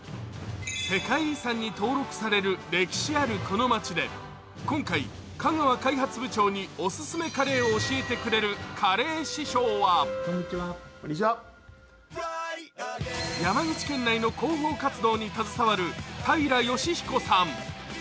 世界遺産に登録される歴史あるこの街で今回、香川開発部長にオススメカレーを教えてくれるカレー師匠は山口県内の広報活動に携わる平義彦さん。